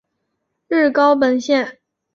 日高本线。